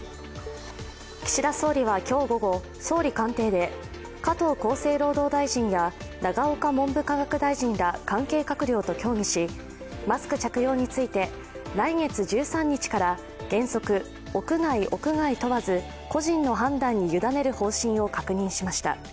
岸田総理は今日午後、総理官邸で加藤厚生労働大臣や永岡文部科学大臣ら関係閣僚と協議しマスク着用について、来月１３日から原則、屋外・屋内問わず個人の判断に委ねる方針を確認しました。